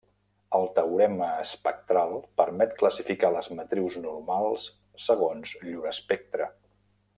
El Teorema espectral permet classificar les matrius normals segons llur espectre.